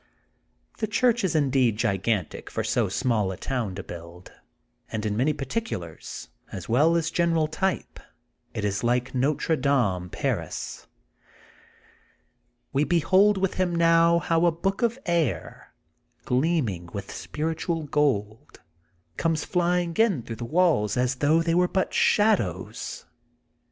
The chnrch is indeed gigantic for so small a town to build, and in many particulars as well as general type it is like Notre Dame, Paris. We behold with him how a book of air, gleaming with spiritual gold, comes flying in through the walls as though they were but shadows.